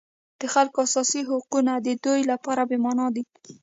د خلکو اساسي حقونه د دوی لپاره بېمعنا دي.